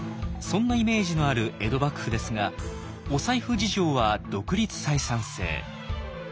そんなイメージのある江戸幕府ですがお財布事情は独立採算制。